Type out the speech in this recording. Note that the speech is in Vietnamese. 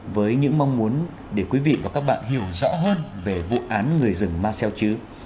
với những mong muốn để quý vị và các bạn hiểu rõ hơn về vụ án người rừng ma xeo chứ